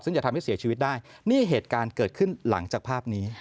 ซึ่งจะทำให้เสียชีวิตได้นี่เหตุการณ์เกิดขึ้นหลังจากภาพนี้